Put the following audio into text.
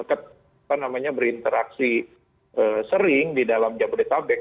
atau berinteraksi sering di dalam jabodetabek